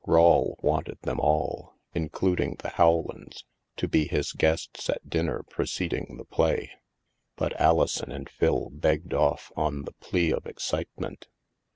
Rawle wanted them all, including the Rowlands, to be his guests at dinner preceding the play. But Alison and Phil begged off on the plea of excite ment.